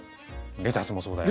レタスもそうだよ。